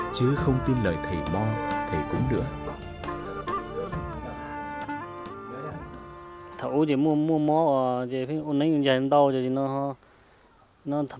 chứ không tin lời thầy bo thầy cũng nữa